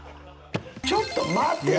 ちょっと待てぃ！！